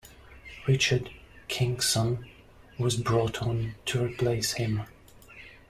Richard Kingson was brought on to replace him.